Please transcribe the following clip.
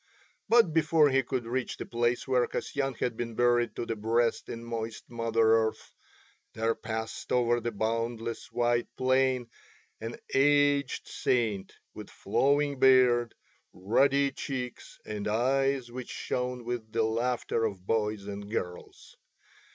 But before he could reach the place where Kasyan had been buried to the breast in moist Mother Earth there passed over the boundless white plain an aged saint with flowing beard, ruddy cheeks, and eyes which shone with the laughter of boys and girls.